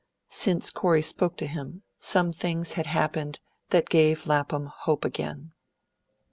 Since Corey spoke to him, some things had happened that gave Lapham hope again.